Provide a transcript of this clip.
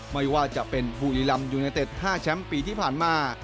ไม่ว่าจะเป็นบุรีรำยูเนเต็ด๕แชมป์ปีที่ผ่านมา